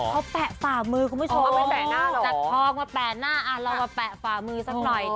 เขาแปะฝ่ามือเขาไม่ชอบอ๋อแปะหน้าเหรอจัดทองมาแปะหน้าอ่ะเรามาแปะฝ่ามือสักหน่อย